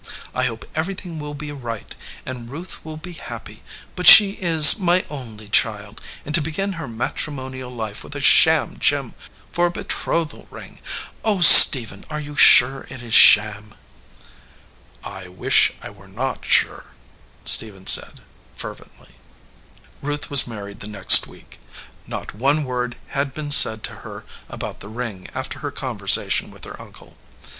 "I hope everything will be right, and Ruth will be happy; but she is my only child, and to begin her matrimonial life with a sham gem for her betrothal ring Oh, Stephen, are you sure it is sham?" "I wish I were not sure," Stephen said, fer vently. Ruth was married the next week. Not one word 275 EDGEWATER PEOPLE had been said to her about the ring after her con versation with her uncle.